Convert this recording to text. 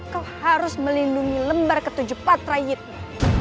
kau harus melindungi lembar ketujuh patriidmu